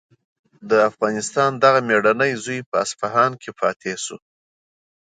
د افغانستان دغه مېړنی زوی په اصفهان کې فاتح شو.